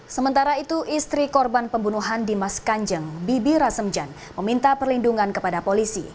sementara itu istri korban pembunuhan dimas kanjeng bibi rasemjan meminta perlindungan kepada polisi